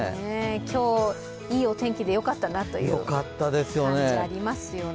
今日、いいお天気でよかったなという感じがありますよね。